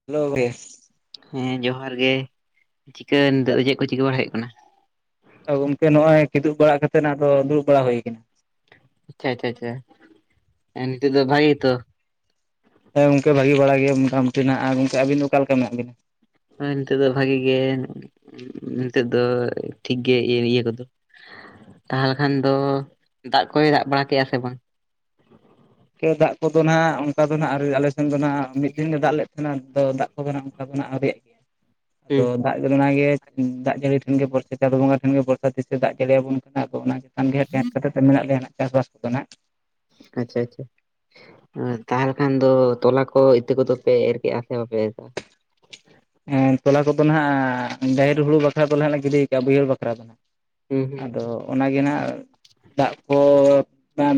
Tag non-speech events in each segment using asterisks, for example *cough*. *unintelligible* ᱦᱮᱸ ᱡᱚᱦᱟᱨ ᱜᱮ ᱪᱤᱠᱟᱹ ᱱᱤᱛᱚᱜ ᱫᱚ ᱪᱮᱫ ᱠᱚ ᱪᱤᱠᱟᱹ ᱵᱟᱲᱟ ᱦᱩᱭᱩᱜ ᱠᱟᱱᱟ ᱜᱚᱝᱠᱮ ᱱᱚᱜ ᱚᱭ ᱠᱤᱫᱩᱵ ᱵᱟᱲᱟ ᱠᱟᱛᱮᱫ ᱟᱫᱚ ᱫᱩᱲᱩᱵ ᱵᱟᱲᱟ ᱦᱩᱭ ᱠᱟᱱᱟ ᱟᱪᱪᱷᱟ ᱟᱪᱪᱷᱟ ᱟᱪᱪᱷᱟ ᱱᱤᱛᱚᱜ ᱫᱚ ᱵᱷᱟᱜᱤᱜᱮᱛᱚ ᱦᱮᱸ ᱜᱚᱝᱠᱮ ᱵᱷᱟᱜᱮ ᱵᱟᱲᱟ ᱜᱮ ᱢᱚᱴᱟᱢᱩᱴᱤ ᱱᱟᱜ ᱜᱚᱢᱠᱮ ᱟᱹᱵᱤᱱ ᱚᱠᱟ ᱞᱮᱠᱟ ᱢᱮᱱᱟᱜ ᱵᱤᱱᱟ? ᱦᱳᱭ ᱱᱤᱛᱚᱜ ᱫᱚ ᱵᱷᱟᱜᱤ ᱜᱮ ᱱᱤᱛᱚᱜ ᱫᱚ ᱴᱷᱤᱠ ᱜᱮ ᱤᱭᱟᱹ ᱤᱭᱟᱹ ᱠᱚᱫᱚ ᱛᱟᱦᱚᱞᱮ ᱠᱷᱟᱱ ᱫᱚ ᱫᱟᱜ ᱠᱚᱭ ᱫᱟᱜ ᱵᱟᱲᱟ ᱠᱮᱫᱼᱟ ᱥᱮ ᱵᱟᱝ ᱠᱮ ᱫᱟᱜ ᱠᱚᱫᱚ ᱱᱟᱦᱟᱜ ᱚᱱᱠᱟ ᱫᱚ ᱱᱟᱦᱟᱜ ᱟᱣᱨᱤ ᱟᱞᱮᱥᱮᱱ ᱫᱚ ᱱᱟᱦᱟᱜ ᱢᱤᱫ ᱫᱤᱱ ᱫᱚ ᱫᱟᱜ ᱞᱮᱫ ᱛᱟᱦᱮᱱᱟ ᱫᱟᱜ ᱠᱚᱫᱚ ᱦᱟᱸᱜ ᱚᱱᱠᱟ ᱫᱚ ᱱᱟᱜ ᱟᱹᱣᱤᱭᱟᱜ ᱦᱩᱸ ᱟᱫᱚ ᱫᱟᱜ ᱚᱱᱟ ᱜᱮ ᱫᱟᱜ ᱡᱟᱹᱲᱤ ᱴᱷᱮᱱ ᱜᱮ ᱵᱚᱨᱥᱟ ᱪᱟᱸᱫ ᱵᱚᱸᱜᱟ ᱴᱷᱮᱱ ᱜᱮ ᱵᱚᱨᱥᱟ ᱛᱤᱥᱮ ᱫᱟᱜ ᱡᱟᱹᱲᱤ ᱟᱵᱚᱱ ᱠᱟᱱᱟ ᱟᱫᱚ ᱚᱱᱟᱜ ᱥᱟᱱ ᱜᱮ *inaudible* ᱫᱚ ᱢᱮᱱᱟᱜ ᱞᱮᱭᱟ ᱦᱟᱸᱜ ᱪᱟᱥᱼᱵᱟᱥ ᱠᱚᱫᱚ ᱱᱟᱜ ᱟᱪᱪᱷᱟ ᱟᱪᱪᱷᱟ ᱛᱟᱦᱚᱞᱮ ᱠᱷᱟᱱ ᱫᱚ ᱛᱚᱞᱟ ᱠᱚ ᱤᱛᱟᱹ ᱠᱚᱫᱚ ᱯᱮ ᱮᱨ ᱠᱮᱜᱼᱟ ᱥᱮ ᱵᱟᱯᱮ ᱮᱨ ᱠᱮᱜᱼᱟ ᱦᱮ ᱛᱚᱞᱟ ᱠᱚᱫᱚ ᱦᱟᱸᱜ ᱰᱟᱹᱦᱤᱨ ᱦᱩᱲᱩ ᱵᱟᱠᱷᱨᱟ ᱫᱚᱞ ᱦᱟᱸᱜ ᱞᱮ ᱜᱤ ᱠᱟᱜᱼᱟ ᱵᱟᱹᱭᱦᱟᱹᱲ ᱵᱟᱠᱷᱨᱟ ᱫᱚ ᱦᱟᱸᱜ ᱦᱩᱸ ᱦᱩᱸ ᱟᱫᱚ ᱚᱱᱟᱜᱮ ᱱᱟᱜ ᱫᱟᱜ ᱠᱚ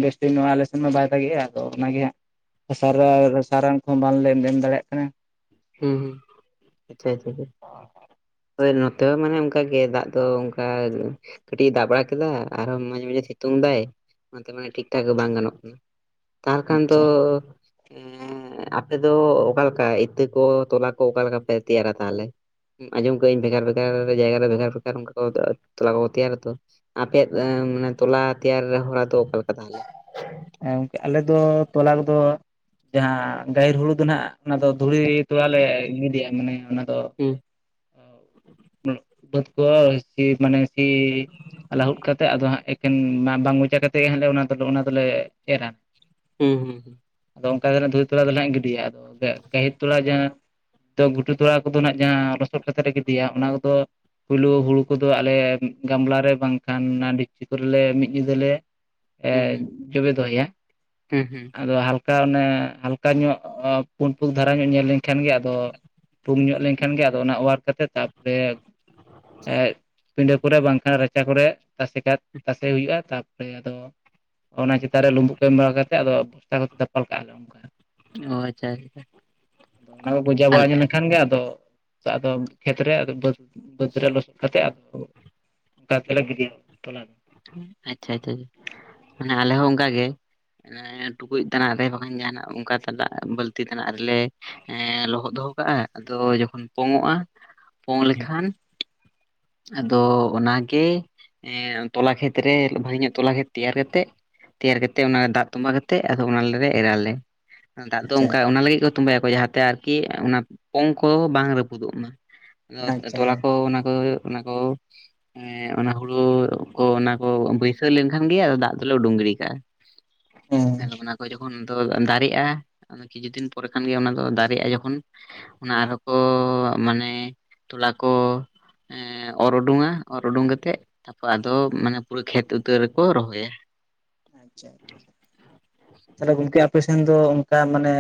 ᱵᱮᱥᱴᱤᱷ ᱟᱞᱮᱥᱮᱱ ᱢᱟ ᱵᱟᱭ ᱫᱟᱜᱤᱮᱜᱼᱟ ᱟᱫᱚ ᱚᱱᱟᱜᱮ ᱦᱟᱸᱜ ᱥᱟᱨ ᱥᱟᱨᱟᱱ ᱠᱚᱦᱚᱸ ᱵᱟᱝᱞᱮ ᱮᱢ ᱫᱟᱲᱮᱭᱟᱜ ᱠᱟᱱᱟ ᱦᱮᱸ ᱦᱩᱸ ᱟᱪᱪᱷᱟ ᱪᱪᱷᱟ ᱦᱳᱭ ᱱᱚᱛᱮ ᱦᱚᱸ ᱢᱟᱱᱮ ᱚᱱᱠᱟᱜᱮ ᱫᱟᱜ ᱫᱚ ᱚᱱᱠᱟ ᱠᱟᱹᱴᱤᱡ ᱮ ᱫᱟᱜ ᱵᱟᱲᱟ ᱠᱮᱫᱟ ᱟᱨᱦᱚᱸ ᱢᱟᱡᱮ ᱢᱟᱡᱷᱮ ᱥᱤᱛᱩᱝ ᱫᱟᱭ ᱚᱱᱟᱛᱮ ᱢᱟᱱᱮ ᱴᱷᱤᱠ ᱴᱷᱟᱠ ᱵᱟᱝ ᱜᱟᱱᱚᱜ ᱠᱟᱱᱟ ᱛᱟᱦᱚᱞᱮ ᱠᱷᱟᱱ ᱫᱚ ᱟᱪᱪᱷᱟ ᱟᱯᱮ ᱫᱚ ᱚᱠᱟᱞᱮᱠᱟ ᱤᱛᱟᱹ ᱛᱚᱞᱟ ᱠᱚᱠᱟ ᱛᱤᱭᱟᱨ ᱟᱠᱟᱜ-ᱟ ᱛᱟᱦᱞᱮ? ᱟᱸᱡᱚᱢ ᱠᱟᱜ ᱟᱹᱧ ᱵᱷᱮᱜᱟᱨ ᱵᱷᱮᱜᱟᱨ ᱡᱟᱭᱜᱟ ᱨᱮ ᱵᱷᱮᱜᱟᱨ ᱵᱷᱮᱜᱟᱨ ᱚᱱᱠᱟ ᱛᱚᱞᱟ ᱠᱚ ᱛᱮᱭᱟᱨᱟᱛᱚ ᱟᱯᱭᱟᱜ ᱢᱟᱱᱮ ᱛᱚᱞᱟ ᱛᱮᱭᱟᱨ ᱦᱚᱨᱟ ᱫᱚ ᱚᱠᱟᱞᱮᱠᱟ ᱛᱟᱦᱞᱮᱱᱟ ᱜᱚᱝᱠᱮ ᱟᱞᱮ ᱫᱚ ᱴᱚᱞᱟ ᱨᱮᱫᱚ ᱡᱟᱦᱟ ᱜᱟᱦᱤᱨ ᱦᱩᱲᱩ ᱫᱚ ᱱᱟᱜ ᱚᱱᱟ ᱫᱚ ᱫᱷᱩᱲᱤ ᱛᱚᱲᱟ ᱞᱮ ᱜᱤᱫᱤᱭᱟ ᱢᱟᱱᱮ ᱚᱱᱟ ᱫᱚ ᱦᱩᱸ *inaudible* ᱵᱟ. ᱫᱽ ᱠᱚ ᱥᱮ ᱢᱟᱱᱮ ᱥᱤ ᱞᱟᱹᱦᱩᱫ ᱠᱟ ᱠᱟᱛᱮᱫ ᱟᱫᱚ ᱦᱟᱸᱜ ᱮᱠᱮᱱ ᱢᱟ ᱵᱟᱝ ᱢᱚᱪᱟ ᱠᱟᱛᱮᱫ ᱜᱮᱟᱸᱮ ᱚᱱᱟ ᱫᱚ ᱚᱱᱟ ᱫᱚᱞᱮ ᱮᱨᱟ ᱦᱩᱸ ᱦᱩᱸ ᱦᱩᱸ ᱟᱫᱚ ᱚᱱᱠᱟ ᱫᱚ ᱦᱟᱸᱜ ᱫᱷᱩᱤ ᱛᱚᱞᱟ ᱫᱚ ᱦᱟᱸᱜ ᱜᱤᱰᱤᱭᱟ ᱟᱫᱚ ᱜᱟᱹᱦᱤᱨ ᱛᱚᱞᱟ ᱡᱟᱦᱟ ᱜᱷᱩᱴᱩ ᱛᱚᱲᱟ ᱠᱚᱫᱚ ᱱᱟᱜ ᱡᱟᱦᱟ ᱞᱚᱥᱚᱫ ᱠᱟᱛᱮᱷᱟ ᱨᱮ ᱜᱤᱫᱤᱭᱟ ᱚᱱᱟ ᱠᱚᱫᱚ ᱯᱳᱭᱞᱳ ᱦᱩᱲᱩ ᱠᱚᱫᱚ ᱟᱞᱮ ᱜᱟᱢᱞᱟ ᱨᱮ ᱵᱟᱝᱠᱷᱟᱱ ᱚᱱᱟ ᱰᱷᱤᱠᱪᱤ ᱠᱚᱨᱮᱞᱮ ᱡᱚᱵᱮ ᱫᱚᱦᱚᱭᱟ ᱦᱮᱸ ᱦᱩᱸ ᱟᱫᱚ ᱦᱟᱞᱠᱟ ᱚᱱᱮ ᱦᱟᱞᱠᱟ ᱧᱚᱜ ᱯᱩᱱ ᱯᱩᱠᱷ ᱫᱷᱟᱨᱟ ᱧᱚᱜ ᱧᱮᱞ ᱞᱮᱱᱠᱷᱟᱱ ᱜᱮ ᱟᱫᱚ ᱯᱩᱝ ᱧᱚᱜ ᱞᱮᱱᱠᱷᱟᱱ ᱜᱮ ᱟᱫᱚ ᱚᱱᱟ ᱚᱣᱟᱨ ᱠᱟ ᱠᱟᱛᱮᱫ ᱛᱟ ᱨᱮ ᱯᱤᱸᱰᱟᱹ ᱠᱚᱨᱮ ᱵᱟᱝᱠᱷᱟᱱ ᱨᱟᱪᱟ ᱠᱚᱨᱮ ᱛᱟᱥᱮ ᱠᱟ ᱛᱟᱥᱮ ᱦᱩᱭᱩᱜᱼᱟ ᱛᱟᱯᱚᱨᱮ ᱟᱫᱚ ᱚᱱᱟ ᱪᱮᱛᱟᱱ ᱨᱮ ᱞᱩᱵᱩᱜ ᱠᱚ ᱮᱢ ᱵᱟᱲᱟ ᱠᱟᱛᱮᱫ ᱟᱫᱚ ᱵᱚᱥᱛᱟ ᱠᱚ ᱠᱟᱛᱮ ᱫᱟᱯᱟᱞ ᱠᱟᱜᱼᱟ ᱞᱮ ᱚᱱᱠᱟ ᱚ ᱟᱪᱪᱷᱟ ᱟᱪᱪᱷᱟ᱾ ᱟᱫᱚ ᱚᱱᱟ ᱠᱚᱠᱚ ᱡᱟ ᱵᱟᱲᱟ ᱞᱮᱱᱠᱷᱟᱱ ᱜᱮ ᱟᱫᱚ ᱟᱫᱚ ᱠᱷᱮᱛ ᱨᱮ ᱟᱫᱚᱟᱹ ᱵᱟᱹᱫᱽ ᱨᱮ ᱞᱚᱥᱚᱫ ᱠᱟᱛᱮ ᱟᱫᱚ ᱚᱱᱠᱟ ᱛᱮᱞᱮ ᱜᱤᱰᱤᱭᱟ ᱛᱚᱞᱟ ᱫᱚ᱾ ᱟᱪᱪᱷᱟ ᱟᱪᱪᱷᱟ ᱚᱱᱮ ᱟᱞᱮ ᱦᱚᱸ ᱚᱱᱠᱟ ᱜᱮ ᱴᱩᱠᱩᱡ ᱛᱮᱟᱱᱟᱜ ᱨᱮ ᱵᱟᱝᱠᱷᱟᱱ ᱡᱟᱦᱟᱱᱟᱜ ᱚᱱᱠᱟ ᱫᱟᱜ ᱵᱟᱹᱞᱛᱤ ᱛᱮᱟᱱᱟᱜ ᱨᱮᱞᱮ ᱮ ᱞᱚᱦᱚᱫ ᱫᱚᱦᱚ ᱠᱟᱜᱼᱟ ᱟᱫᱚ ᱡᱚᱠᱷᱚᱱ ᱯᱚᱝ ᱚᱚᱜᱼᱟ ᱯᱚᱝ ᱦᱮᱸ ᱦᱮᱸ ᱞᱮᱠᱷᱟᱱ ᱟᱫᱚ ᱚᱱᱟᱜᱮ ᱮ ᱛᱚᱞᱟ ᱠᱷᱮᱛᱨᱮ ᱵᱷᱟᱜᱮ ᱧᱚᱜ ᱛᱚᱞᱟ ᱠᱷᱮᱛ ᱛᱮᱭᱟᱨ ᱠᱟ ᱠᱟᱛᱮᱫ ᱛᱮᱭᱟᱨ ᱠᱟᱛᱮᱫ ᱚᱱᱟ ᱫᱟᱜ ᱛᱚᱵᱟ ᱠᱟᱛᱮᱫ ᱟᱫᱚ ᱚᱱᱟᱮ ᱮᱨᱟᱞᱮ᱾ ᱫᱟᱜ ᱫᱚ ᱟᱪᱪᱷᱟ ᱚᱱᱠᱟ ᱚᱱᱟ ᱞᱟᱹᱜᱤᱫ ᱠᱚ ᱛᱚᱸᱵᱟᱭᱟᱠᱚ ᱡᱟᱦᱟ ᱛᱮ ᱟᱨ ᱠᱤ ᱚᱱᱟ ᱯᱚᱝ ᱠᱚ ᱵᱟᱝ ᱨᱟᱹᱯᱩᱫᱚᱜ ᱢᱟ᱾ ᱟᱪᱪᱷᱟ ᱛᱚᱞᱟ ᱦᱮᱸ ᱠᱚ ᱚᱱᱟ ᱠᱚ ᱚᱱᱟᱠᱚᱣ ᱮᱸ ᱚᱱᱟ ᱦᱩᱲᱩ ᱠᱚ ᱚᱱᱟ ᱠᱚ ᱵᱟᱹᱭᱥᱟᱹᱣ ᱞᱮᱱᱠᱷᱟᱱ ᱜᱮ ᱫᱟᱜ ᱫᱚᱞᱮ ᱩᱰᱩᱝ ᱜᱤᱰᱤ ᱠᱟᱜᱼᱟ᱾ *unintelligible* ᱦᱮᱸ ᱚᱱᱟ ᱠᱚ ᱡᱚᱠᱷᱚᱱ ᱫᱚ ᱫᱟᱨᱮᱜᱼᱟ ᱚᱱᱟ ᱠᱤᱪᱷᱩ ᱫᱤᱱ ᱯᱚᱨᱮ ᱠᱷᱟᱱᱜᱮ ᱚᱱᱟ ᱫᱚ ᱫᱟᱨᱮᱜᱼᱟ ᱡᱚᱠᱷᱚᱱ ᱚᱱᱟ ᱟᱨᱦᱚ ᱠᱚ ᱢᱟᱱᱮ ᱛᱚᱞᱟ ᱠᱚ ᱮᱸ ᱚᱨᱩᱰᱩᱝᱼᱟ ᱚᱨᱩᱰᱩᱝ ᱠᱟᱛᱮᱜ ᱛᱟᱯᱚᱨ ᱟᱫᱚ ᱢᱟᱱᱮ ᱯᱩᱨᱟᱹ ᱠᱷᱮᱛ ᱩᱛᱟᱹᱨ ᱨᱮᱠᱚ ᱨᱚᱦᱚᱭᱟ᱾ *unintelligible* ᱛᱟᱦᱞᱮ ᱜᱚᱝᱠᱮ ᱟᱯᱮ ᱥᱮᱱ ᱫᱚ ᱚᱱᱠᱟ ᱢᱟᱱᱮ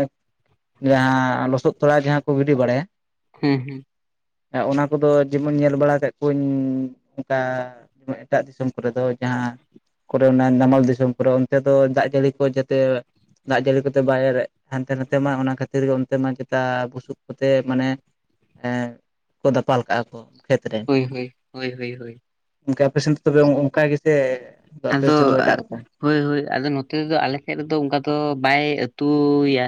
ᱡᱟᱦᱟᱸ ᱞᱚᱥᱚᱫ ᱛᱚᱨᱟ ᱡᱟᱦᱟᱸ ᱠᱚ ᱜᱤᱰᱤ ᱵᱟᱲᱟᱭᱟ ᱦᱩᱸ ᱦᱩᱸ᱾ ᱚᱱᱟ ᱠᱚᱫᱚ ᱡᱮᱢᱚᱱ ᱧᱮᱞ ᱵᱟᱲᱟ ᱠᱮᱫ ᱠᱚᱣᱟᱹᱧ ᱚᱱᱠᱟ ᱡᱮᱢᱚᱱ ᱮᱴᱟᱜ ᱫᱤᱥᱚᱢ ᱠᱚᱨᱮ ᱫᱚ ᱡᱟᱦᱟᱸ ᱠᱚᱨᱮ ᱚᱱᱟ ᱱᱟᱢᱟᱞ ᱫᱤᱥᱚᱢ ᱫᱤᱥᱚᱢ ᱠᱚᱨᱮ ᱚᱱᱛᱮ ᱫᱚ ᱫᱟᱜ ᱡᱟᱹᱲᱤ ᱠᱚ ᱡᱟᱛᱮ ᱫᱟᱜ ᱡᱟᱹᱲᱤ ᱠᱚᱛᱮ ᱵᱟᱭ ᱦᱟᱱᱛᱮ ᱱᱟᱛᱮ ᱢᱟ ᱚᱱᱟ ᱠᱷᱟᱹᱛᱤᱨ ᱜᱮ ᱚᱱᱛᱮ ᱢᱟ ᱪᱮᱛᱟ ᱵᱩᱥᱩᱵ ᱠᱚᱛᱮ ᱢᱟᱱᱮ ᱦᱮᱸ ᱠᱚ ᱫᱟᱯᱟᱞ ᱠᱟᱜᱼᱟ ᱠᱚ᱾ ᱠᱷᱮᱛ ᱦᱳᱭ ᱦᱳᱭ ᱦᱳᱭ ᱦᱳᱭ ᱦᱳᱭ ᱚᱱᱠᱟ ᱟᱯᱮ ᱥᱮᱱ ᱫᱚ ᱛᱚᱵᱮ ᱚᱱᱠᱟ ᱜᱮᱥᱮ, ᱟᱯᱮ ᱟᱫᱚ ᱥᱮᱱ ᱫᱚ ᱮᱴᱟᱜ ᱨᱚᱠᱚᱢ? ᱦᱳᱭ ᱦᱳᱭ ᱟᱫᱚ ᱱᱚᱛᱮ ᱫᱚ ᱟᱞᱮ ᱥᱮᱫ ᱨᱮᱫᱚ ᱚᱱᱠᱟ ᱫᱚ ᱵᱟᱭ ᱟᱹᱛᱩᱭᱟ᱾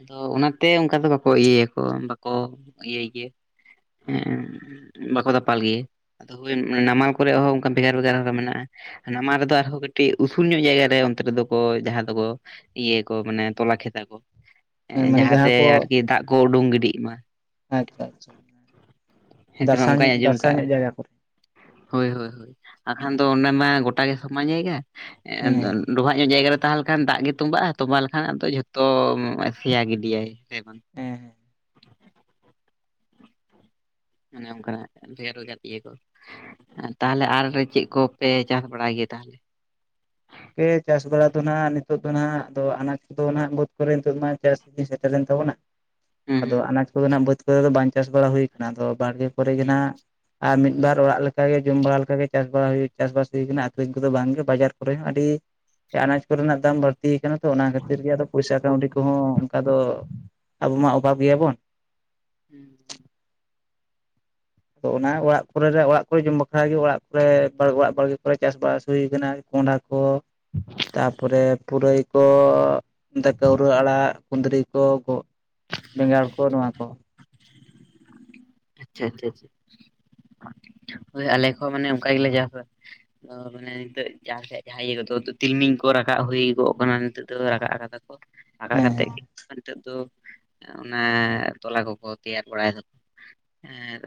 ᱟᱫᱚ ᱚᱱᱟᱛᱮ ᱚᱱᱠᱟ ᱫᱚ ᱵᱟᱠᱚ ᱤᱭᱟᱹᱭᱟᱠᱚ ᱵᱟᱠᱚ ᱤᱭᱟᱹᱭ ᱜᱮᱭᱟ᱾ ᱦᱮᱸ ᱵᱟᱠᱚ ᱫᱟᱯᱟᱞ ᱜᱮᱭᱟ? ᱟᱫᱚ ᱦᱳᱭ ᱱᱟᱢᱟᱞ ᱠᱚᱨᱮ ᱦᱚᱸ ᱚᱱᱠᱟ ᱵᱷᱮᱜᱟᱨ ᱵᱷᱮᱜᱟᱨ ᱦᱚᱸ ᱢᱮᱱᱟᱜᱼᱟ᱾ ᱱᱟᱢᱟᱞ ᱨᱮᱫᱚ ᱟᱨᱦᱚᱸ ᱠᱟᱹᱴᱤᱡ ᱩᱥᱩᱞ ᱧᱚᱜ ᱡᱟᱭᱜᱟ ᱨᱮ ᱚᱱᱛᱮ ᱨᱮᱫᱚ ᱠᱚ ᱡᱟᱦᱟᱸ ᱫᱚᱠᱚ ᱤᱭᱟᱹ ᱠᱚ ᱢᱟᱱᱮ ᱛᱚᱞᱟ ᱠᱷᱮᱛᱟ ᱟᱠᱚ ᱦᱮᱸ ᱢᱟᱱᱮ ᱡᱟᱦᱟᱸ ᱡᱟᱦᱟᱸᱛᱮ ᱠᱚ ᱟᱨᱠᱤ ᱫᱟᱜ ᱠᱚ ᱩᱰᱩᱝ ᱜᱤᱰᱤᱜ ᱢᱟ᱾ ᱟᱪᱪᱷᱟ ᱟᱪᱪᱷᱟ᱾ ᱦᱮᱸ ᱥᱮ ᱵᱟᱝ ᱫᱟᱨᱥᱟᱝ ᱚᱱᱠᱟᱧ ᱟᱸᱡᱚᱢ ᱫᱟᱨᱥᱟ ᱠᱟᱜᱼᱟ᱾ ᱧᱚᱜ ᱡᱟᱭᱜᱟ ᱠᱚᱨᱮ ᱦᱳᱭ ᱦᱳ ᱵᱟᱠᱷᱟᱱ ᱦᱮᱸ ᱫᱚ ᱚᱱᱟ ᱢᱟ ᱜᱚ ᱴᱟ ᱜᱮ ᱥᱚᱢᱟᱱ ᱡᱟᱭᱜᱟ, ᱦᱮᱸ ᱰᱚᱵᱷᱟᱜ ᱧᱚᱜ ᱡᱟᱭᱜᱟ ᱨᱮ ᱛᱟᱦᱮᱸ ᱞᱮᱠᱷᱟᱱ ᱫᱟᱜ ᱜᱮ ᱛᱚᱸᱵᱟᱜᱼᱟ ᱛᱚᱸᱵᱟ ᱞᱮᱱᱴᱠᱷᱟᱱ ᱟᱫᱚ ᱡᱷᱚᱛᱚ ᱥᱮᱭᱟ ᱜᱤᱰᱤᱭᱟᱭ᱾ *unintelligible* ᱦᱮᱸ ᱚᱱᱮ ᱚᱱᱠᱟᱜ ᱵᱷᱮᱨ ᱜᱟ ᱛᱤᱭᱟᱹ ᱠᱚ᱾ ᱛᱟᱦᱞᱮ ᱟᱨ ᱪᱮᱫ ᱠᱚᱯᱮ ᱪᱟᱥ ᱵᱟᱲᱟᱭ ᱜᱮᱭᱟ ᱛᱟᱦᱞᱮ? ᱠᱮ ᱪᱟᱥ ᱵᱟᱲᱟ ᱫᱚ ᱱᱦᱟᱸᱜ ᱱᱤᱛᱚᱜ ᱫᱚ ᱱᱦᱟᱸᱜ ᱟᱱᱟᱡ ᱠᱚ ᱫᱚ ᱱᱦᱟᱸᱜ ᱵᱟᱹᱫᱽ ᱠᱚᱨᱮ ᱱᱤᱛᱚᱜ ᱢᱟ ᱪᱟᱥ ᱥᱮᱴᱮᱨ ᱞᱮᱱ ᱛᱟᱵᱚᱱᱟ᱾ ᱟᱫᱚ ᱦᱩᱸ ᱟᱱᱟᱡᱽ ᱠᱚᱫᱚ ᱱᱟᱦᱜ ᱵᱟᱹᱫᱽ ᱠᱚ ᱨᱮ ᱫᱚ ᱵᱟᱝ ᱪᱟᱥ ᱵᱟᱲᱟ ᱦᱩᱭᱩ ᱠᱟᱱᱟ ᱟᱫᱚ ᱵᱟᱲᱜᱮ ᱠᱚᱨᱮ ᱜᱮ ᱱᱦᱟᱸᱜ ᱟᱨ ᱢᱤᱫ ᱵᱟᱨ ᱚᱲᱟᱜ ᱞᱮᱠᱟᱜᱮ ᱡᱚᱢ ᱵᱟᱲᱟ ᱞᱮᱠᱟᱜᱮ ᱪᱟᱥ ᱵᱟᱲᱟ ᱦᱩᱭ ᱪᱟᱥ ᱵᱟᱥ ᱦᱩᱭ ᱠᱟᱱᱟ ᱟᱠᱷᱨᱤᱧ ᱠᱚᱫᱚ ᱵᱟᱝ ᱜᱮ ᱵᱟᱡᱟᱨ ᱠᱚᱨᱮ ᱦᱚᱸ ᱟᱹᱰᱤ ᱟᱱᱟᱡᱽ ᱠᱚ ᱨᱮᱱᱟᱜ ᱫᱟᱢ ᱵᱟᱹᱲᱛᱤ ᱠᱟᱱᱟ ᱛᱚ ᱚᱱᱟ ᱠᱷᱟᱹᱛᱤᱨ ᱜᱮ ᱟᱫᱚ ᱯᱚᱭᱥᱟ ᱠᱟᱹᱣᱰᱤ ᱠᱚᱦᱚᱸ ᱚᱱᱠᱟ ᱫᱚ ᱟᱵᱚ ᱢᱟ ᱚᱵᱷᱟᱵᱽ ᱜᱮᱭᱟ ᱵᱚᱱ᱾ ᱦᱩᱸ ᱦᱩᱸ ᱟᱫᱚ ᱚᱱᱟ ᱚᱲᱟᱜ ᱠᱚᱨᱮ ᱨᱮ ᱚᱲᱟᱜ ᱠᱚᱨᱮ ᱡᱚᱢ ᱵᱟᱠᱷᱨᱟ ᱜᱮ ᱚᱲᱟᱜ ᱠᱚᱨᱮ ᱚᱲᱟᱜ ᱵᱟᱲᱜᱮ ᱠᱚᱨᱮ ᱪᱟᱥ ᱵᱟᱥ ᱦᱩᱭ ᱟᱠᱟᱱᱟ᱾ ᱠᱚᱱᱰᱷᱟ ᱠᱚ, ᱛᱟ ᱯᱚᱨᱮ ᱯᱩᱨᱟᱹᱭ ᱠᱚ ᱛᱮ ᱠᱟᱹᱶᱨᱟᱹ ᱟᱲᱟᱜ ᱠᱩᱸᱫᱽᱨᱤ ᱠᱚ ᱜᱚ ᱵᱮᱸᱜᱟᱲ ᱠᱚ ᱱᱚᱣᱟ ᱠᱚ᱾ ᱟᱪᱪᱷᱟ ᱟᱪᱪᱷᱟ ᱟᱪᱪᱷᱟ ᱦᱳᱭ ᱟᱞᱮ ᱠᱚ ᱦᱚᱸ ᱢᱟᱱᱮ ᱚᱱᱠᱟ ᱜᱮᱞᱮ ᱡᱟᱥᱟ ᱢᱟᱱᱮ ᱱᱤᱛᱚᱜ ᱡᱟᱦᱟᱸ ᱤᱭᱟᱹ ᱠᱚᱫᱚ ᱛᱤᱞᱢᱤᱧ ᱠᱚ ᱨᱟᱠᱟᱵ ᱦᱩᱭ ᱠᱚᱜ ᱠᱟᱱᱟ ᱱᱤᱛᱚᱜ ᱫᱚ ᱨᱟᱠᱟᱵ ᱠᱟᱫᱟ ᱠᱚ᱾ ᱨᱟᱠᱟᱵ ᱦᱮᱸ ᱠᱟᱛᱮᱫ ᱦᱮᱸ ᱜᱮ ᱱᱤᱛᱚᱜ ᱫᱚ ᱚᱱᱟ ᱛᱚᱞᱟ ᱠᱚᱠᱚ ᱛᱮᱭᱟᱨ ᱵᱟᱲᱟᱭ ᱫᱟᱠᱚ᱾ ᱟᱨ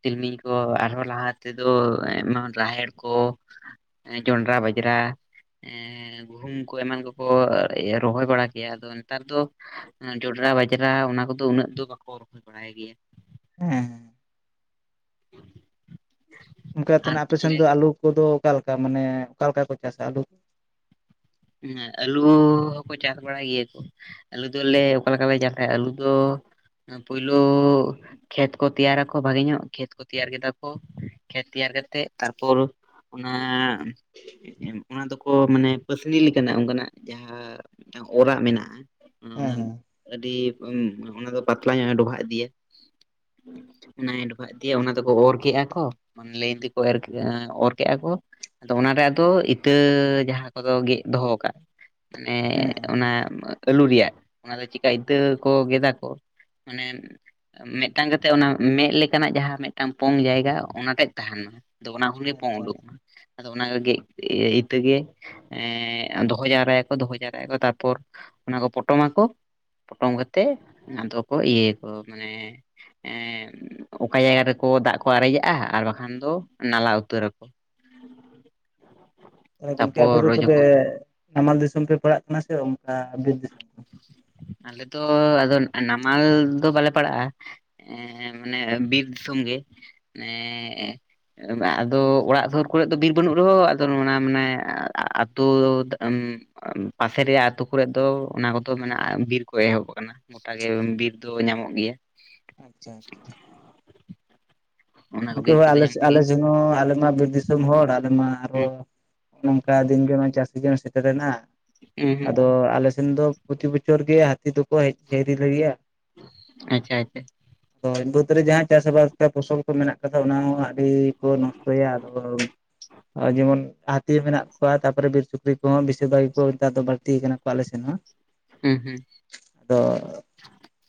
ᱛᱤᱞᱢᱤᱧ ᱠᱚ ᱟᱨᱦᱚᱸ ᱞᱟᱦᱟ ᱛᱮᱫᱚ ᱟᱭᱢᱟ ᱨᱟᱦᱮᱲ ᱠᱚ, ᱡᱚᱱᱰᱨᱟ, ᱵᱟᱡᱽᱨᱟ ᱮᱸ ᱜᱩᱦᱩᱢ ᱠᱚ ᱮᱢᱟᱱ ᱠᱚᱠᱚ ᱨᱚᱦᱚᱭ ᱵᱟᱲᱟ ᱠᱮᱭᱟ, ᱟᱫᱚ ᱱᱮᱛᱟᱨ ᱫᱚ ᱡᱚᱸᱰᱨᱟ ᱵᱟᱡᱽᱨᱟ ᱚᱱᱟ ᱠᱚᱫᱚ ᱩᱱᱟᱹᱜ ᱫᱚ ᱵᱟᱠᱚ ᱨᱚᱦᱚᱭ ᱵᱟᱲᱟᱭ ᱜᱮᱭᱟ ᱦᱮᱸ ᱚᱱᱠᱟ ᱛᱮ ᱟᱨ ᱟᱯᱮ ᱥᱮᱱ ᱛᱟᱦᱚᱞᱮ ᱫᱚ ᱟᱞᱩ ᱠᱚᱫᱚ ᱚᱠᱟ ᱞᱮᱠᱟ ᱢᱟᱱᱮ ᱚᱠᱟ ᱞᱮᱠᱟ ᱠᱚ ᱪᱟᱥᱟ ᱟᱞᱩ? ᱦᱮᱸ ᱟᱹᱞᱩ ᱦᱚᱸᱠᱚ ᱪᱟᱥ ᱵᱟᱲᱟᱭ ᱜᱮᱭᱟ ᱠᱚ᱾ ᱟᱞᱩ ᱫᱚ ᱟᱞᱮ ᱚᱠᱟ ᱞᱮᱠᱟ ᱞᱮ ᱪᱟᱥᱟ ᱟᱞᱩ ᱫᱚ ᱯᱳᱭᱞᱳ, ᱠᱷᱮᱛ ᱠᱚ ᱛᱮᱭᱟᱨᱟᱚ ᱵᱷᱟᱜᱤ ᱧᱚᱜ ᱠᱷᱮᱛ ᱠᱚ ᱛᱮᱭᱟᱨᱟ ᱠᱚ ᱵᱷᱟᱹᱜᱤ ᱧᱚᱜ ᱠᱷᱮᱛ ᱠᱚ ᱛᱮᱭᱟᱨᱟ ᱠᱮᱫᱟ ᱠᱚ ᱠᱷᱮᱛ ᱛᱮᱭᱟᱨ ᱠᱟᱛᱮᱫ᱾ ᱛᱟᱨᱯᱚᱨ ᱚᱱᱟ ᱚᱱᱟ ᱫᱚᱠᱚ ᱢᱟᱱᱮ ᱯᱟᱹᱥ ᱥᱤᱱᱤ ᱞᱮᱠᱟᱱᱟᱜ ᱚᱱᱠᱟᱱᱟᱜ ᱡᱟᱦᱟᱸ ᱚᱨᱟᱜ ᱢᱮᱱᱟᱜᱼᱟ ᱦᱮᱸ ᱚᱱᱟ ᱦᱮᱸ ᱟᱹᱰᱤ ᱚᱱᱟ ᱫᱚ ᱯᱟᱛᱞᱟ ᱧᱚᱜ ᱮ ᱰᱚᱵᱷᱟᱜ ᱤᱫᱤᱭᱟ᱾ ᱚᱱᱟᱭ ᱮ ᱰᱚᱵᱷᱟᱜ ᱤᱫᱤᱭᱟ ᱚᱱᱟ ᱫᱚᱠᱚ ᱚᱨ ᱠᱮᱜᱼᱟ ᱠᱚ, ᱞᱟᱹᱭᱤᱱ ᱛᱮᱠᱚ ᱮᱨ ᱚᱨ ᱠᱮᱫᱼᱟ ᱠᱚ ᱟᱫᱚ ᱚᱱᱟᱨᱮ ᱟᱫᱚ ᱤᱛᱟᱹ ᱡᱟᱦᱟᱸ ᱠᱚᱫᱚ ᱜᱮᱫ ᱫᱚᱦᱚ ᱠᱟᱜ ᱢᱟᱱᱮ ᱦᱮᱸ ᱦᱮᱸ ᱚᱱᱟ ᱟᱹᱞᱩ ᱨᱮᱭᱟᱜ ᱚᱱᱟᱫᱚ ᱪᱮᱠᱟ ᱤᱛᱟᱹ ᱠᱚ ᱜᱮᱫ ᱟᱠᱚ ᱢᱟᱱᱮ ᱢᱤᱫ ᱴᱟᱝ ᱠᱟᱛᱮᱫ ᱚᱱᱟ ᱢᱮᱫ ᱞᱮᱠᱟᱱᱟᱜ ᱡᱟᱦᱟᱸ ᱢᱤᱫ ᱴᱟᱝ ᱯᱚᱝ ᱡᱟᱭᱜᱟ ᱚᱱᱟ ᱛᱮᱫ ᱛᱟᱦᱮᱸᱱ ᱢᱟ᱾ ᱟᱫᱚ ᱚᱱᱟ ᱠᱷᱚᱱ ᱜᱮ ᱯᱚᱝ ᱟᱪᱪᱷᱟ ᱟᱪᱪᱷᱟ ᱩᱰᱩᱝᱚᱜᱼᱟ, ᱟᱫᱚ ᱚᱱᱟ ᱜᱮᱫ ᱤᱛᱟᱹ ᱜᱮ ᱮᱸ ᱫᱚᱦᱚ ᱡᱟᱣᱨᱟᱭᱟᱠᱚ ᱫᱚᱦᱚ ᱡᱟᱣᱨᱟᱭᱟᱠᱚ ᱛᱟᱨᱯᱚᱨ ᱚᱱᱟ ᱠᱚ ᱯᱚᱴᱚᱢ ᱟᱠᱚ ᱯᱚᱴᱚᱢ ᱠᱟᱛᱮᱫ ᱟᱫᱚ ᱠᱚ ᱤᱭᱟᱹ ᱠᱚ ᱢᱟᱱᱮ ᱮᱸ ᱚᱠᱟ ᱡᱟᱭᱜᱟ ᱨᱮᱠᱚ ᱫᱟᱜ ᱠᱚ ᱟᱨᱮᱡᱟᱜᱼᱟ ᱟᱨ ᱵᱟᱠᱷᱟᱱ ᱫᱚ ᱱᱟᱞᱟ ᱩᱛᱟᱹᱨ-ᱟᱠᱚ᱾ ᱛᱟᱦᱚᱞᱮ ᱜᱚᱝᱠᱮ ᱟᱯᱮ ᱛᱟᱯᱚᱨ ᱫᱚ ᱛᱚᱵᱮ ᱡᱚᱠᱷᱚᱱ ᱱᱟᱢᱟᱞ ᱫᱤᱥᱚᱢ ᱯᱮ ᱯᱟᱲᱟᱜ ᱠᱟᱱᱟ ᱥᱮ ᱚᱱᱠᱟ ᱵᱤᱨ ᱫᱤᱥᱚᱢ? ᱟᱞᱮ ᱫᱚ ᱟᱫᱚ ᱱᱟᱢᱟᱞ ᱫᱚ ᱵᱟᱞᱮ ᱯᱟᱲᱟᱜᱼᱟ ᱮᱸ ᱢᱟᱱᱮ ᱵᱤᱨ ᱫᱤᱥᱚᱢ ᱜᱮ᱾ *unintelligible* ᱮᱸ ᱟᱫᱚ ᱚᱲᱟᱜ ᱥᱩᱨ ᱠᱚᱨᱮ ᱫᱚ ᱫᱤᱨ ᱵᱟᱹᱱᱩᱜ ᱨᱮᱦᱚᱸ ᱟᱫᱚ ᱚᱱᱟ ᱢᱟᱱᱮ ᱟᱛᱩ *unintelligible* ᱯᱟᱥᱮᱨᱮᱭᱟᱜ ᱛᱩ ᱠᱚᱨᱮ ᱫᱚ ᱚᱱᱟ ᱠᱚᱫᱚ ᱢᱮᱱᱟᱜᱼᱟ ᱵᱤᱨ ᱠᱚ ᱮᱦᱚᱵ ᱟᱠᱟᱱᱟ ᱜᱚᱴᱟ ᱜᱮ ᱵᱤᱨ ᱫᱚ ᱧᱟᱢᱚᱜ ᱜᱮᱭᱟ᱾ ᱟᱪᱪᱷᱟ ᱟᱪᱪᱷᱟ᱾ ᱚᱱᱟ ᱠᱚ ᱜᱚᱢᱠᱮ ᱵᱤᱨ ᱦᱟᱹᱭ ᱠᱚᱫᱚ ᱟᱞᱮᱥ ᱧᱟᱢᱚᱜ ᱜᱮᱭᱟ ᱟᱞᱮᱥᱮᱫ ᱦᱸ ᱟᱞᱮᱢᱟ ᱵᱤᱨ ᱫᱤᱥᱚᱢ᱾ ᱫᱤᱥᱚᱢ ᱦᱚᱲ ᱟᱞᱮ ᱢᱟ ᱟᱨᱚ ᱦᱩᱸ ᱱᱚᱝᱠᱟ ᱫᱤᱱ ᱜᱮᱢᱟ ᱪᱟᱥ ᱥᱤᱡᱤᱱ ᱦᱚᱸ ᱥᱮᱴᱮᱨᱮᱱᱟ᱾ ᱦᱩᱸ ᱦᱩᱸ ᱟᱫᱚ ᱟᱞᱮ ᱥᱮᱱ ᱫᱚ ᱯᱨᱚᱛᱤ ᱵᱚᱪᱷᱚᱨ ᱜᱮ ᱦᱟᱹᱛᱤ ᱫᱚᱠᱚ ᱦᱮᱡ ᱦᱤᱨᱤ ᱞᱮᱜᱮᱭᱟ᱾ ᱟᱪᱪᱷᱟ ᱟᱪᱪᱷᱟ ᱛᱚᱭ ᱵᱟᱹᱫᱽ ᱨᱮ ᱡᱟᱦᱟᱸᱭ ᱪᱟᱥ ᱟᱵᱟᱫ ᱯᱷᱚᱥᱚᱞ ᱛᱚ ᱢᱮᱱᱟᱜ ᱠᱟᱫᱟ ᱚᱱᱟ ᱦᱚᱸ ᱟᱹᱰᱤ ᱠᱚ ᱱᱚᱥᱴᱚᱭᱟ ᱟᱫᱚ ᱱᱚᱜᱼᱚᱭ ᱡᱮᱢᱚᱱ ᱦᱟᱹᱛᱤ ᱢᱮᱱᱟᱜ ᱠᱚᱣᱟ ᱛᱟᱯᱚᱨᱮ ᱵᱤᱨ ᱥᱩᱠᱨᱤ ᱠᱚᱦᱚᱸ ᱵᱤᱥᱤᱨ ᱵᱷᱟᱜᱽ ᱠᱚ ᱱᱮᱛᱟᱨ ᱫᱚ ᱵᱟᱹᱲᱛᱤ ᱠᱟᱱᱟ᱾ ᱛᱚ ᱟᱞᱮ ᱥᱮᱱ ᱦᱟᱸᱜ ᱦᱩᱸ ᱦᱩᱸ ᱛᱚ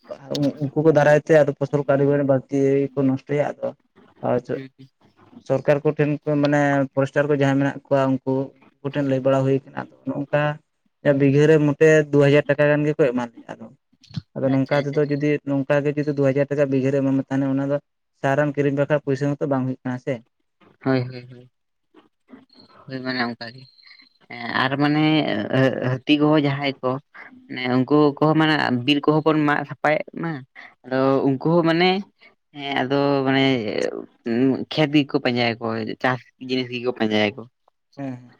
ᱵᱟ ᱟᱨ ᱩᱱᱠᱩ ᱠᱚ ᱫᱟᱨᱟᱭ ᱛᱮ ᱟᱫᱚ ᱯᱷᱚᱥᱚᱞ ᱠᱟᱹᱨᱤ ᱵᱮᱲᱮ ᱵᱟᱹᱲᱛᱤ ᱠᱚ ᱱᱚᱥᱴᱚᱭᱟ ᱟᱫᱚ *unintelligible* ᱦᱩᱸ ᱥᱚᱨᱠᱟᱨ ᱠᱚᱴᱷᱮᱱ ᱠᱚ ᱢᱟᱱᱮ ᱯᱷᱚᱨᱮᱥᱴᱟᱨ ᱠᱚ ᱡᱟᱦᱟᱸᱭ ᱢᱮᱱᱟᱜ ᱠᱚᱣᱟ ᱩᱱᱠᱩ ᱠᱩᱴᱷᱮᱱ ᱞᱟᱹᱭ ᱵᱟᱲᱟ ᱦᱩᱭ ᱟᱠᱟᱱᱟ ᱟᱫᱚ ᱱᱚᱝᱠᱟ ᱵᱤᱜᱷᱟᱹᱨᱮ ᱢᱚᱴᱮ ᱫᱩ ᱦᱟᱡᱟᱨ ᱴᱟᱠᱟ ᱜᱟᱱ ᱜᱮᱠᱚ ᱮᱢ ᱞᱮᱭᱟ ᱟᱫᱚ ᱟᱫᱚ ᱟᱪᱪᱷᱟ ᱱᱚᱝᱠᱟ ᱟᱪᱪᱷᱟ ᱛᱮᱫᱚ ᱡᱩᱫᱤ ᱱᱚᱝᱠᱟ ᱜᱮ ᱡᱩᱫᱤ ᱫᱩ ᱦᱟᱡᱟᱨ ᱴᱟᱠᱟ ᱵᱤᱜᱷᱟᱹᱨᱮ ᱮᱢᱟᱢ ᱢᱮ ᱛᱟᱦᱮᱱᱟ ᱚᱱᱟ ᱫᱚ ᱥᱟᱨ ᱮᱢ ᱠᱤᱨᱤᱧ ᱵᱟᱠᱷᱨᱟ ᱯᱚᱭᱥᱟ ᱦᱚᱸᱛᱚ ᱵᱟᱝ ᱦᱩᱭᱩᱜ ᱠᱟᱱᱟ ᱥᱮ, ᱦᱳᱭ ᱦᱳᱭ ᱦᱳᱭ ᱦᱳᱭ ᱢᱟᱱᱮ ᱚᱱᱠᱟ ᱜᱮ᱾ ᱦᱮᱸ ᱟᱨ ᱢᱟᱱᱮ ᱦᱟᱹᱛᱤ ᱠᱚᱦᱚ ᱡᱟᱦᱟᱸᱭ ᱠᱚ ᱢᱟᱱᱮ ᱩᱱᱠᱩ ᱠᱚᱦᱚᱸ ᱢᱟᱱᱮ ᱵᱤᱨ ᱠᱚᱦᱚᱸ ᱵᱚᱱ ᱢᱟᱜ ᱥᱟᱯᱷᱟᱭᱮᱫ ᱢᱟ ᱟᱫᱚ ᱩᱱᱠᱩ ᱦᱚᱸ ᱢᱟᱱᱮ ᱦᱮᱸ ᱟᱫᱚ ᱢᱟᱱᱮ ᱠᱷᱮᱛ ᱜᱤ ᱠᱚ ᱯᱟᱸᱡᱟᱭᱟᱚ ᱪᱟᱥ ᱡᱤᱱᱤᱥ ᱜᱮᱠᱚ ᱯᱟᱸᱡᱟᱭᱟ ᱠᱚ ᱦᱮᱸ ᱦᱮᱸ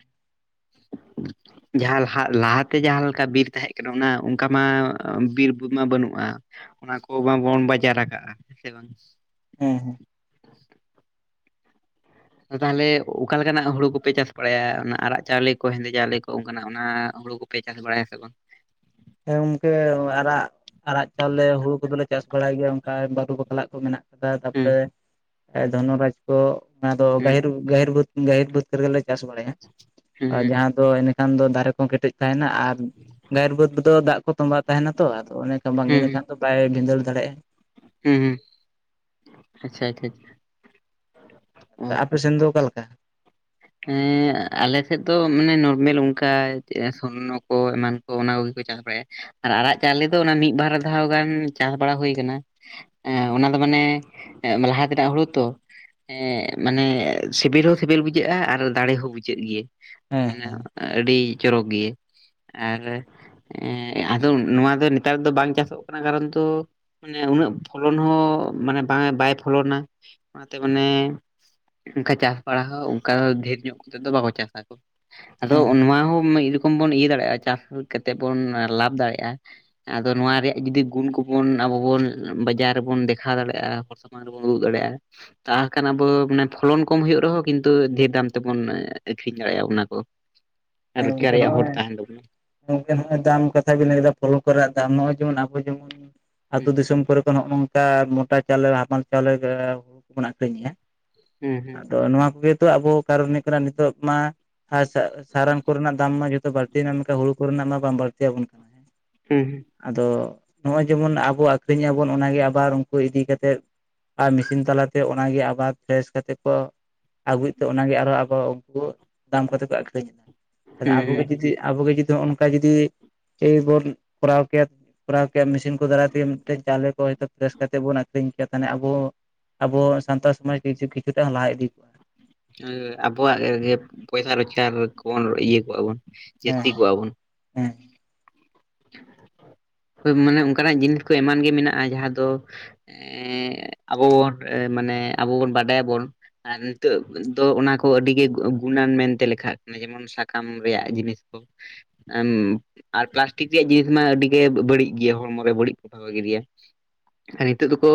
*inaudible* ᱡᱟᱦᱟᱸ ᱞᱟᱦᱟᱛᱮ ᱡᱟᱦᱟᱸ ᱞᱮᱠᱟ ᱵᱤᱨ ᱛᱟᱦᱮᱸ ᱠᱟᱱᱟ ᱚᱱᱟ ᱚᱱᱠᱟ ᱢᱟ ᱵᱤᱨ ᱢᱟ ᱵᱟᱹᱱᱩᱜᱼᱟ ᱚᱱᱟ ᱠᱚ ᱵᱟᱵᱚᱱ ᱵᱟᱡᱟᱨ ᱟᱠᱟᱟᱜᱼᱟ ᱦᱮᱸ ᱥᱮ ᱵᱟᱝ ᱦᱮᱸ ᱦᱮᱸ ᱛᱟᱦᱚᱞᱮ ᱚᱠᱟᱞ ᱞᱮᱠᱟᱱᱟᱜ ᱦᱩᱲᱩ ᱠᱚᱯᱮ ᱪᱟᱥ ᱵᱟᱲᱟᱭᱟ ᱚᱱᱟ ᱟᱨᱟᱜ ᱪᱟᱣᱞᱮ ᱠᱚ ᱦᱮᱸᱫᱮ ᱪᱟᱣᱞ ᱠᱚ ᱚᱱᱠᱟᱱᱟᱜ ᱚᱱᱟ ᱦᱩᱲᱩ ᱠᱚ? ᱯᱮ ᱪᱟᱥ ᱵᱟᱲᱟᱭᱟ ᱥᱮ ᱵᱟᱝ? ᱦᱮᱸ ᱚᱝᱠᱟ ᱟᱨᱟᱜ ᱟᱨᱟᱜ ᱪᱟᱣᱞᱮ ᱦᱩᱲᱩ ᱠᱚᱫᱚᱞᱮ ᱪᱟᱥ ᱵᱟᱲᱟᱭ ᱜᱮᱭᱟ ᱚᱱᱠᱟ ᱵᱟᱹᱨᱩ ᱨᱟᱞᱟᱜ ᱠᱚ ᱢᱮᱱᱟᱜ ᱦᱩᱸ ᱛᱟᱯᱚᱨᱮ ᱫᱷᱚᱱ ᱨᱟᱡᱽ ᱠᱚ ᱚᱱᱟ ᱫᱚ ᱦᱩᱸ ᱜᱟᱹᱦᱤᱨ ᱜᱟᱹᱦᱤᱨ ᱵᱷᱩᱛ ᱜᱟᱹᱦᱤᱨ ᱵᱷᱩᱛ ᱫᱷᱮᱨ ᱜᱮᱞᱮ ᱪᱟᱥ ᱵᱟᱲᱟᱭᱟ ᱦᱩᱸ ᱟᱨ ᱦᱩᱸ ᱡᱟᱦᱟᱸ ᱫᱚ ᱮᱱᱟᱹᱠᱷᱟᱱ ᱫᱚ ᱫᱟᱨᱮ ᱠᱚ ᱠᱟᱹᱴᱤᱡ ᱛᱟᱦᱮᱱᱟ ᱟᱨ ᱜᱟᱭ ᱵᱟᱹᱫᱽ ᱨᱮᱫᱚ ᱫᱟᱜ ᱠᱚ ᱛᱚᱸᱵᱟᱣ ᱛᱟᱦᱮᱱᱟ ᱛᱚ ᱟᱫᱚ ᱚᱱᱮ ᱵᱟᱝ ᱦᱩᱸ ᱮᱱᱮᱠᱷᱟᱱ ᱫᱚ ᱵᱟᱭ ᱵᱷᱤᱸᱫᱟᱹᱲ ᱫᱟᱲᱮᱭᱟᱜᱼᱟ ᱦᱮᱸ ᱦᱩᱸ ᱟᱪᱷᱟ ᱟᱪᱷᱟ ᱟᱯᱮ ᱥᱮᱱ ᱫᱚ ᱚᱠᱟᱞ ᱞᱮᱠᱟ? ᱟᱞᱮ ᱥᱮᱫ ᱫᱚ ᱢᱟᱱᱮ ᱱᱚᱨᱢᱮᱞ ᱚᱱᱠᱟ ᱥᱚᱨᱱᱚ ᱠᱚ ᱮᱢᱟᱱ ᱠᱚ ᱚᱱᱟ ᱠᱚᱜᱮ ᱠᱚ ᱪᱟᱥ ᱵᱟᱲᱟᱭᱟ ᱟᱨ ᱟᱲᱟᱜ ᱪᱟᱣᱞᱮ ᱫᱚ ᱚᱱᱟ ᱢᱤᱫ ᱵᱟᱨ ᱫᱷᱟᱣ ᱜᱟᱱ ᱪᱟᱥ ᱵᱟᱲᱟ ᱦᱩᱭ ᱟᱠᱟᱱᱟ᱾ ᱮ ᱚᱱᱟ ᱫᱚ ᱢᱟᱱᱮ ᱞᱟᱦᱟ ᱛᱮᱱᱟᱜ ᱦᱩᱲᱩ ᱛᱚ ᱢᱟᱱᱮ ᱥᱤᱵᱤᱞ ᱦᱚᱸ ᱥᱤᱵᱤᱞ ᱵᱩᱡᱷᱟᱹᱜᱼᱟ ᱟᱨ ᱫᱟᱲᱮ ᱦᱚᱸ ᱵᱩᱡᱷᱟᱹᱜ ᱜᱮ ᱦᱮᱸ ᱦᱮᱸ ᱟᱹᱰᱤ ᱪᱚᱨᱚᱠ ᱜᱮ ᱟᱨ ᱮ ᱟᱫᱚ ᱱᱚᱶᱟ ᱫᱚ ᱱᱮᱛᱟᱨ ᱫᱚ ᱵᱟᱝ ᱪᱟᱥᱚᱜ ᱠᱟᱱᱟ ᱠᱟᱨᱚᱱ ᱛᱚ ᱢᱟᱱᱮ ᱩᱱᱟᱹᱜ ᱯᱷᱚᱞᱚᱱ ᱦᱚᱸ ᱢᱟᱱᱮ ᱵᱟᱝ ᱵᱟᱭ ᱯᱷᱚᱞᱚᱱᱟ ᱚᱱᱟᱛᱮ ᱢᱟᱱᱮ ᱚᱱᱠᱟ ᱪᱟᱥ ᱵᱟᱲᱟ ᱦᱚᱸ ᱚᱱᱠᱟ ᱰᱷᱮᱨ ᱧᱚᱜ ᱠᱟᱛᱮᱫ ᱫᱚ ᱵᱟᱠᱚ ᱪᱟᱥ ᱟᱫᱚ ᱦᱮᱸ ᱱᱚᱶᱟ ᱦᱚᱸ ᱢᱤᱫ ᱠᱚᱢ ᱵᱚᱱ ᱤᱭᱟᱹ ᱫᱟᱲᱮᱭᱟᱜᱼᱟ ᱪᱟᱥ ᱠᱟᱛᱮ ᱵᱚᱱ ᱞᱟᱵᱷ ᱫᱟᱲᱮᱭᱟᱜᱼᱟ ᱟᱫᱚ ᱱᱚᱶᱟ ᱨᱮᱭᱟᱜ ᱡᱩᱫᱤ ᱜᱩᱱ ᱠᱚᱵᱚᱱ ᱟᱵᱚ ᱵᱚᱱ ᱵᱟᱡᱟᱨ ᱨᱮᱵᱚᱱ ᱫᱮᱠᱷᱟᱣ ᱫᱟᱲᱮᱭᱟᱜᱼᱟ ᱦᱚᱲ ᱢᱟᱨᱵᱚᱱ ᱩᱫᱩᱜ ᱫᱟᱲᱮᱭᱟᱜᱼᱟ ᱛᱟᱠᱟᱱᱟ ᱵᱚ ᱯᱷᱚᱞᱚᱱ ᱠᱚᱢ ᱦᱩᱭᱩᱜ ᱨᱮᱦᱚᱸ ᱠᱤᱱ ᱛᱳ ᱰᱷᱮᱨ ᱫᱟᱢ ᱛᱮᱵᱚᱱ ᱟᱹᱠᱷᱨᱤᱧ ᱟᱲᱮᱭᱟᱢ ᱚᱱᱟ ᱠᱚ ᱾ ᱦᱮᱸ ᱜᱚᱢᱠᱮ ᱱᱟᱜᱼᱚᱭ ᱜᱚᱝᱠᱮ ᱱᱚᱦᱚᱸᱭ ᱫᱟᱢ ᱠᱟᱛᱷᱟ ᱵᱤᱱ ᱞᱟᱹᱭ ᱠᱮᱫᱟ ᱯᱷᱚᱞᱚᱱ ᱠᱚ ᱨᱮᱭᱟᱜ ᱫᱟᱢ ᱱᱚᱜᱼᱚᱭ ᱡᱮᱢᱚᱱ ᱟᱵᱚ ᱡᱮᱢᱚᱱ ᱾ ᱟᱹᱛᱩ ᱦᱩᱸ ᱫᱤᱥᱚᱢ ᱠᱚᱨᱮ ᱠᱚ ᱱᱚᱜᱼᱚ ᱱᱚᱝᱠᱟ ᱢᱳᱴᱟ ᱪᱟᱣᱞᱮ ᱦᱟᱢᱟᱞ ᱪᱟᱣᱞᱮ ᱜᱮᱯ ᱵᱚᱱ ᱟᱹᱠᱷᱨᱤᱧᱮᱜᱟ ᱦᱩᱸ ᱾ ᱦᱩᱸ ᱟᱫᱚ ᱱᱚᱶᱟ ᱠᱚᱜᱮ ᱛᱚ ᱟᱵᱚ ᱠᱟᱨᱚᱱ ᱱᱮᱠᱟᱨᱟᱱ ᱱᱤᱛᱳᱜ ᱢᱟ ᱥᱟᱨᱟᱢ ᱠᱚᱨᱮᱱᱟᱜ ᱫᱟᱢ ᱢᱟ ᱡᱷᱚᱛᱚ ᱵᱟᱹᱲᱛᱤᱮᱱᱟ ᱱᱚᱛᱮ ᱦᱩᱲᱩ ᱠᱚᱨᱮᱱᱟᱜ ᱢᱟ ᱵᱟᱝ ᱵᱟᱹᱲᱛᱤ ᱭᱟᱵᱚᱱ ᱦᱩᱸ ᱦᱩᱸ ᱟᱫᱚ ᱱᱚᱜ ᱚᱭ ᱡᱮᱢᱚᱱ ᱟᱵᱚ ᱟᱠᱷᱨᱤᱧ ᱟᱵᱚᱱ ᱚᱱᱟᱜᱮ ᱟᱵᱟᱨ ᱩᱱᱠᱩ ᱤᱫᱤ ᱠᱟᱛᱮᱜ ᱟᱨ ᱢᱮᱥᱤᱱ ᱛᱟᱞᱟᱛᱮ ᱚᱱᱟᱜᱮ ᱟᱵᱟᱨ ᱯᱷᱨᱮᱥ ᱠᱟᱛᱮᱫ ᱠᱚ ᱟᱹᱜᱩᱭ ᱛᱮ ᱚᱱᱟᱜᱮ ᱟᱨᱚ ᱟᱠᱚ ᱩᱱᱠᱩ ᱫᱟᱢ ᱠᱟᱛᱮ ᱠᱚ ᱟᱠᱷᱨᱤᱧᱟ ᱾ ᱛᱟᱞᱦᱮ ᱦᱩᱸ ᱟᱵᱚᱜᱮ ᱦᱩᱸ ᱦᱩᱸ ᱡᱩᱫᱤ ᱟᱵᱚᱜᱮ ᱡᱩᱫᱤ ᱚᱝᱠᱟ ᱡᱩᱫᱤ ᱪᱮᱭ ᱵᱚᱱ ᱠᱚᱨᱟᱣ ᱠᱮᱭᱟ ᱾ ᱠᱚᱨᱟᱣ ᱠᱮᱭᱟ ᱢᱮᱥᱤᱱ ᱠᱚ ᱫᱟᱨᱟᱭ ᱛᱮᱜᱮ ᱢᱤᱫᱴᱮᱱ ᱪᱟᱣᱞᱮ ᱠᱚ ᱦᱚᱭᱛᱳ ᱯᱨᱮᱥ ᱠᱟᱛᱮᱫ ᱵᱚᱱ ᱟᱹᱠᱷᱨᱤᱧ ᱠᱮᱭᱟ ᱛᱟᱱᱮ ᱟᱵᱚ ᱟᱵᱚ ᱥᱟᱱᱛᱟᱲ ᱥᱚᱢᱟᱡᱽ ᱠᱤᱪᱷᱩ ᱠᱤᱪᱷᱩᱛᱟ ᱞᱟᱜ ᱤᱫᱤ ᱟᱵᱚᱣᱟᱜ ᱨᱮᱜᱮᱡ ᱯᱚᱭᱥᱟ ᱨᱳᱡᱽᱜᱟᱨ ᱠᱚᱵᱚᱱ ᱤᱭᱟᱹ ᱠᱚᱣᱟᱜ ᱵᱚᱱ ᱦᱮᱸ ᱡᱟᱹᱥᱛᱤ ᱠᱚᱜ ᱟ ᱵᱚᱱ ᱾ ᱦᱮᱸ ᱢᱟᱱᱮ ᱚᱱᱠᱟᱱᱟᱜ ᱡᱤᱱᱤᱥ ᱠᱚ ᱮᱢᱟᱱ ᱜᱮ ᱢᱮᱱᱟᱜᱼᱟ ᱡᱟᱦᱟᱸ ᱫᱚ ᱾ *unintelligible* ᱚᱵᱚ ᱵᱚᱱ ᱢᱟᱱᱮ ᱟᱵᱚ ᱵᱚᱱ ᱵᱟᱰᱟᱭᱟᱵᱚᱱ ᱾ ᱟᱨ ᱱᱤᱛᱚᱜ ᱫᱚ ᱚᱱᱟ ᱠᱚ ᱟᱹᱰᱤᱜᱮ ᱜᱩᱱᱟᱹᱱ ᱢᱮᱱᱛᱮ ᱞᱮᱠᱷᱟᱜ ᱠᱟᱱᱟ ᱡᱮᱢᱚᱱ ᱥᱟᱠᱟᱢ ᱨᱮᱭᱟᱜ ᱡᱤᱱᱤᱥ ᱠᱚ ᱟᱨ ᱯᱟᱞᱟᱥᱴᱤᱠ ᱨᱮᱭᱟᱜ ᱡᱤᱱᱤᱥ ᱢᱟ ᱟᱹᱰᱤ ᱜᱮ ᱵᱟᱹᱲᱤᱡ ᱜᱮᱭᱟ ᱦᱚᱲᱢᱚᱨᱮ ᱵᱟᱹᱲᱤᱡ ᱯᱨᱚᱵᱷᱟᱵ ᱮ ᱜᱤᱫᱮᱭᱟ ᱾ ᱟᱨ ᱱᱤᱛᱚᱜ ᱫᱚᱠᱚ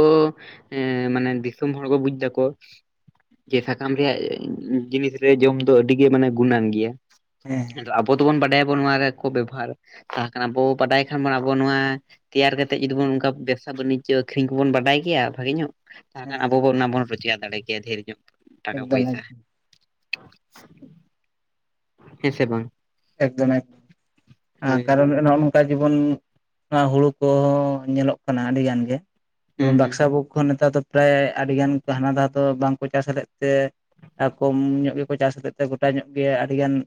ᱮ ᱢᱟᱱᱮ ᱫᱤᱥᱚᱢ ᱦᱚᱲ ᱠᱚ ᱵᱩᱡᱽ ᱫᱟᱠᱚ ᱡᱮ ᱥᱟᱠᱟᱢ ᱨᱮᱭᱟᱜ ᱡᱤᱱᱤᱥ ᱨᱮ ᱡᱚᱢ ᱫᱚ ᱟᱹᱰᱤ ᱜᱮ ᱢᱟᱱᱮ ᱜᱩᱱᱟᱹᱱ ᱜᱮᱭᱟ ᱾ ᱦᱮᱸ ᱟᱵᱚ ᱫᱚᱵᱚᱱ ᱵᱟᱰᱟᱭᱟᱵᱚᱱ ᱱᱚᱣᱟ ᱨᱮ ᱠᱚ ᱵᱮᱵᱚᱦᱟᱨ ᱟᱨ ᱠᱟᱱᱟᱵᱚ ᱵᱟᱰᱟᱭ ᱠᱷᱟᱱ ᱢᱟ ᱟᱵᱚ ᱱᱚᱣᱟ ᱛᱮᱭᱟᱨ ᱠᱟᱛᱮᱫ ᱡᱩᱫᱤᱵᱚᱱ ᱚᱱᱠᱟᱵ ᱵᱮᱵᱥᱟ ᱵᱟᱱᱤᱡᱽᱡᱚ ᱟᱹᱠᱷᱨᱤᱧ ᱠᱚᱵᱚᱱ ᱵᱟᱰᱟᱭ ᱜᱮᱭᱟ ᱵᱷᱟᱜᱮ ᱧᱚᱜ ᱾ ᱛᱟᱦᱮ ᱦᱮᱸ ᱠᱷᱟᱱ ᱟᱵᱚ ᱦᱮᱸ ᱵᱚᱱ ᱚᱱᱟ ᱵᱚᱱ ᱨᱳᱡᱽᱜᱟᱨ ᱫᱟᱲᱮ ᱠᱮᱭᱟ ᱰᱷᱮᱨ ᱧᱚᱜ ᱴᱟᱠᱟ ᱮᱠᱫᱚᱢ ᱯᱚᱭᱥᱟ ᱾ ᱮᱠᱫᱚᱢ ᱦᱮᱸ ᱥᱮ ᱵᱟᱝ? ᱮᱠᱫᱚᱢ ᱮᱠ ᱦᱳᱭ *unintelligible* ᱦᱳᱭ ᱠᱟᱨᱚᱱ ᱛᱟ ᱡᱤᱵᱚᱱ ᱱᱚᱣᱟ ᱦᱩᱲᱩ ᱠᱚᱻ ᱧᱮᱞᱚᱜ ᱠᱟᱱᱟ ᱟᱹᱰᱤ ᱜᱟᱱ ᱜᱮ ᱾ ᱦᱩᱸ ᱡᱮᱢᱚᱱ ᱦᱩᱸ ᱵᱟᱠᱥᱟ ᱵᱳᱠ ᱠᱷᱚᱱ ᱱᱮᱛᱟᱨ ᱫᱚ ᱯᱨᱟᱭ ᱟᱹᱰᱤᱜᱟᱱ ᱦᱟᱱᱟ ᱫᱟᱷᱟᱣ ᱫᱚ ᱵᱟᱝᱠᱚ ᱪᱟᱥ ᱞᱮᱫ ᱛᱮ᱾ ᱟ ᱠᱚᱢ ᱧᱚᱜ ᱜᱮᱠᱚ ᱪᱟᱥᱞᱮᱫ ᱛᱮ ᱜᱚᱴᱟ ᱧᱚᱜ ᱜᱮ ᱟᱹᱰᱤ ᱜᱟᱱ ᱾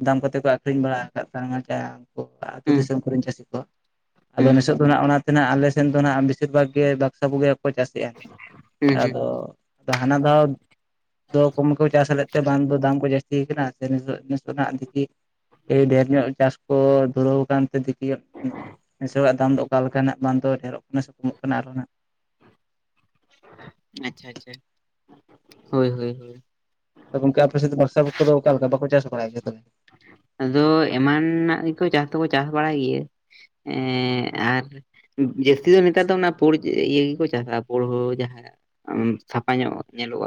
ᱫᱟᱢ ᱠᱚᱛᱮ ᱠᱚ ᱟᱠᱷᱨᱤᱧ ᱵᱟᱲᱟ ᱟᱠᱟᱫ *unintelligible* ᱟᱹᱛᱩ ᱦᱩᱸ ᱫᱤᱥᱚᱢ ᱠᱚᱨᱮᱱ ᱪᱟᱹᱥᱤ ᱠᱚ ᱟᱫᱚ ᱦᱩᱸ ᱱᱚᱥᱚᱜ᱾ ᱚᱱᱟᱛᱮ ᱱᱟᱜ ᱟᱞᱮᱥᱮᱱ ᱫᱚ ᱱᱟᱜ ᱵᱮᱥᱤᱨ ᱵᱷᱟᱜᱽ ᱜᱮ ᱵᱟᱠᱥᱟ ᱵᱩᱜᱮ ᱠᱚ ᱪᱟᱥᱮᱜᱼᱟ ᱦᱩᱸ ᱦᱩᱸ ᱟᱫᱚ ᱾ ᱛᱟ ᱦᱟᱱᱟ ᱫᱷᱟᱣ ᱫᱚ ᱠᱚᱢ ᱠᱚ ᱪᱟᱥ ᱞᱮᱫ ᱛᱮ ᱵᱟᱝ ᱫᱚ ᱫᱟᱢ ᱠᱚ ᱡᱟᱥᱛᱤ ᱠᱟᱱᱟ *unintelligible* ᱮᱭ ᱰᱷᱮᱨ ᱧᱚᱜ ᱪᱟᱥ ᱠᱚ ᱫᱷᱩᱨᱟᱹᱣ ᱠᱟᱱ ᱾ ᱫᱤᱠᱤᱭᱚᱜ ᱦᱮᱥᱮ ᱚᱲᱟᱜ ᱛᱟᱢ ᱫᱚ ᱦᱩᱸ ᱚᱠᱟ ᱞᱮᱠᱟᱱᱟᱜ ᱵᱟᱝ ᱫᱚ ᱰᱷᱮᱹᱨᱚᱜ ᱠᱟᱱᱟ ᱥᱮ ᱠᱚᱢᱚᱜ ᱠᱟᱱᱟ ᱟᱨᱚ ᱱᱟᱜ ᱾ ᱟᱪᱪᱷᱟ ᱟᱪᱪᱷᱟ ᱦᱳᱭ ᱦᱳᱭ ᱦᱳᱭ ᱛᱚ ᱜᱚᱝᱠᱮ ᱟᱯᱮ ᱥᱮᱫ ᱫᱚ *unintelligible* ᱚᱠᱟ ᱞᱮᱠᱟ ᱵᱟᱠᱚ ᱪᱟᱥᱵᱟᱲᱟᱭ ᱜᱮᱭᱟ? ᱟᱫᱚ ᱮᱢᱟᱱᱟᱜ ᱜᱮᱠᱚ ᱪᱟᱥ ᱫᱚᱠᱚ ᱪᱟᱥ ᱵᱟᱲᱟᱭ ᱜᱮᱭᱟ ᱾ ᱮ ᱟᱨ ᱡᱟᱹᱥᱛᱤ ᱫᱚ ᱱᱮᱛᱟᱨ ᱫᱚ ᱚᱱᱟ ᱯᱳᱲ ᱤᱭᱟᱹ ᱜᱮᱠᱚ ᱪᱟᱥᱟ ᱯᱳᱲ ᱦᱳ ᱡᱟᱦᱟᱸ ᱾ ᱪᱷᱟᱯᱟ ᱧᱚᱜ ᱧᱮᱞᱚᱜᱼᱟ ᱾